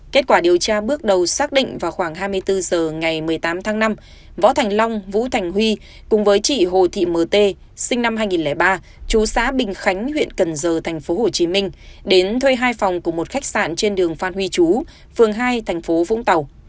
kết quả điều tra bước đầu xác định vào khoảng hai mươi bốn h ngày một mươi tám tháng năm võ thành long vũ thành huy cùng với chị hồ thị m t sinh năm hai nghìn ba chú xã bình khánh huyện cần giờ tp hcm đến thuê hai phòng của một khách sạn trên đường phan huy chú phường hai thành phố vũng tàu